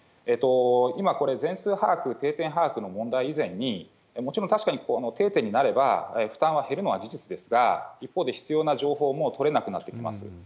今、これ、全数把握、定点把握の問題以前に、もちろん確かにこの定点になれば、負担は減るのは事実ですが、一方で必要な情報も取れなくなってきます。